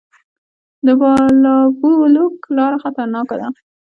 د بالابلوک لاره خطرناکه ده